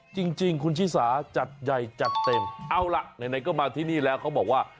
จริงคุณชิสาจัดใหญ่จัดเต็มเอาล่ะไหนก็มาที่นี่แล้วเขาบอกว่า